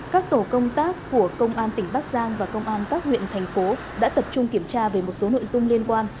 các tổ công tác của công an tỉnh bắc giang và công an các huyện thành phố đã tập trung kiểm tra về một số nội dung liên quan